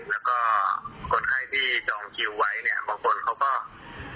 แล้วก็คนไข้ที่จองคิวไว้บางคนเขาก็ไม่ยอมทำกับคุณหมอท่านอื่น